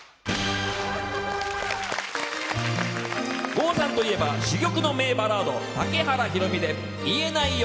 郷さんといえば珠玉の名バラード竹原ひろみで「言えないよ」。